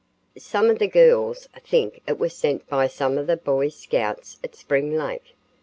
"Some of the girls think it was sent by some of the Boy Scouts at Spring Lake.